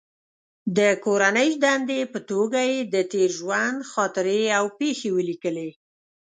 د کورنۍ دندې په توګه یې د تېر ژوند خاطرې او پېښې ولیکلې.